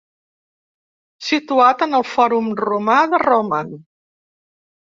Situat en el Fòrum Romà de Roma.